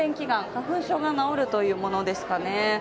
花粉症が治るというものですかね。